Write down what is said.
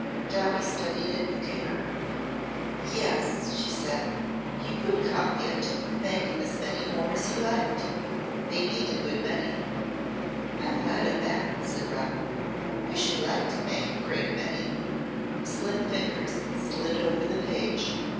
Dowie studied it with care. "Yes," she said. "You could copy it and make as many more as you liked. They need a good many." "I am glad of that," said Robin. "I should like to make a great many." The slim fingers slid over the page.